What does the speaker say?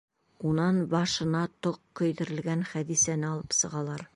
Унан башына тоҡ кейҙерелгән Хәҙисәне алып сығалар.